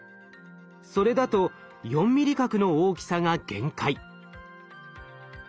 それだと４ミリ角の大きさが限界。